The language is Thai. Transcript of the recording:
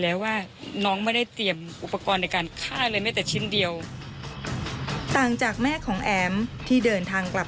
แล้วว่าน้องไม่ได้เตรียมอุปกรณ์ในการฆ่าเลยแม้แต่ชิ้นเดียวต่างจากแม่ของแอ๋มที่เดินทางกลับ